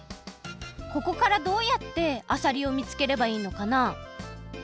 ここからどうやってあさりを見つければいいのかな？